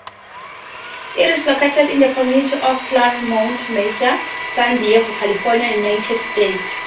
It is located in the community of Clairemont Mesa, San Diego, California, United States.